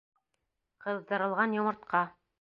Ҡыҙҙырылған йомортҡа!